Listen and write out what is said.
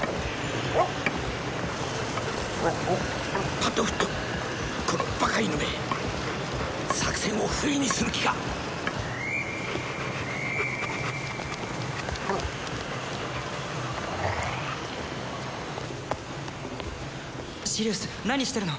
パッドフットこのバカ犬め作戦をふいにする気かシリウス何してるの？